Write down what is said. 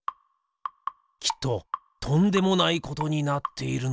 きっととんでもないことになっているのでは？